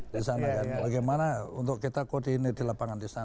di sana kan bagaimana untuk kita koordinir di lapangan di sana